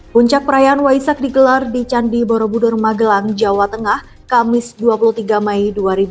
puncak perayaan waisak digelar di candi borobudur magelang jawa tengah kamis dua puluh tiga mei dua ribu dua puluh